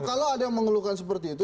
kalau ada yang mengeluhkan seperti itu